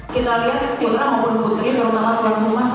kita lihat putra maupun putri terutama tuan rumah